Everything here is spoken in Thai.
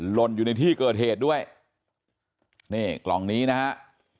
ลนอยู่ในที่เกิดเหตุด้วยนี่กล่องนี้นะฮะ